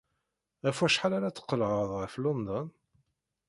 Ɣef wacḥal ara tqelɛed ɣer London?